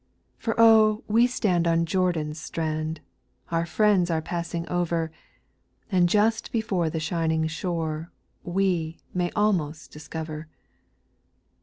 For we stand on Jordan's strand, Our friends are passing over. And just before the shining shore We may almost discover.